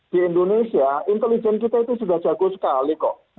di indonesia intelijen kita itu sudah jago sekali kok